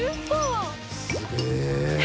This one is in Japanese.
すげえ。